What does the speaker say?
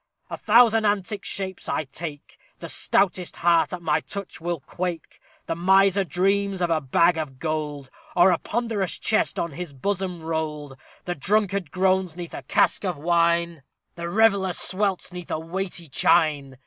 _ A thousand antic shapes I take; The stoutest heart at my touch will quake. The miser dreams of a bag of gold, Or a ponderous chest on his bosom rolled. The drunkard groans 'neath a cask of wine; The reveller swelts 'neath a weighty chine.